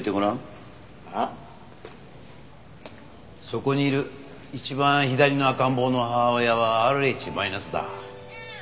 そこにいる一番左の赤ん坊の母親はＲｈマイナスだ。